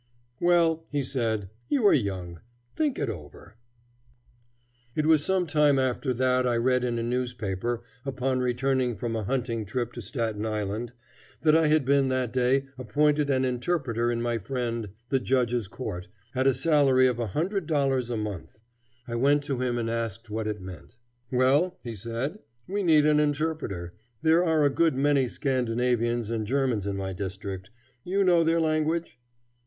"Well," he said, "you are young. Think it over." It was some time after that I read in a newspaper, upon returning from a hunting trip to Staten Island, that I had been that day appointed an interpreter in my friend the judge's court, at a salary of $100 a month. I went to him and asked him what it meant. "Well," he said, "we need an interpreter. There are a good many Scandinavians and Germans in my district. You know their language?"